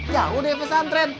jauh deh pesantren